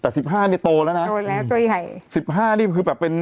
แต่สิบห้านี่โตแล้วนะโตแล้วตัวใหญ่สิบห้านี่คือแบบเป็น